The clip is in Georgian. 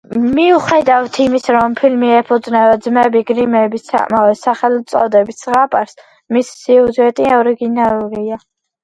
მიუხედავად იმისა, რომ ფილმი ეფუძნება ძმები გრიმების ამავე სახელწოდების ზღაპარს, მისი სიუჟეტი ორიგინალურია.